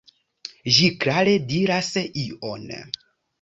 Ĝi klare diras ion.